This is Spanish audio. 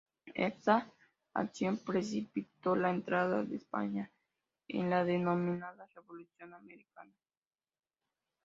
Esta acción precipitó la entrada de España en la denominada Revolución americana.